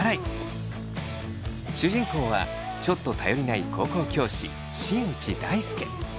主人公はちょっと頼りない高校教師新内大輔。